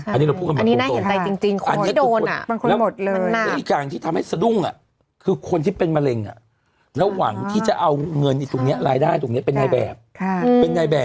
อันนี้เราพูดกันบางคนโดอันนี้น่าเห็นใจจริงคนโดนอ่ะ